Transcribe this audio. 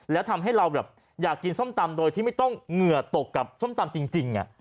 แล้วทำให้เราแบบอยากกินส้มตำโดยที่ไม่ต้องเหงื่อตกกับส้มตำจริง